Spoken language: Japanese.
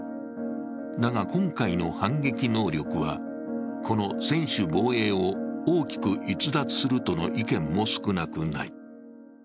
だが今回の反撃能力はこの専守防衛を大きく逸脱するとの意見も少なくない。